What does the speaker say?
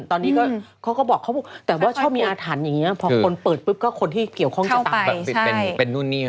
ตอนนี้เขาก็บอกแต่ว่าชอบมีอาถรรย์อย่างนี้พอคนเปิดปุ๊บก็คนที่เกี่ยวข้องจะตาย